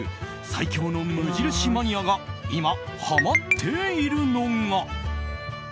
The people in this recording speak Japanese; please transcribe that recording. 最強の無印マニアが今ハマっているのが。